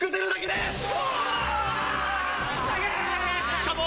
しかも。